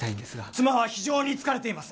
妻は非常に疲れています。